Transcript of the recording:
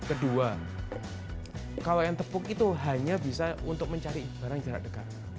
kedua kalau yang tepuk itu hanya bisa untuk mencari barang jarak dekat